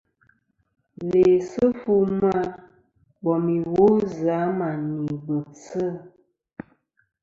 Læsɨ fu ma bom iwo zɨ a mà ni bebsɨ.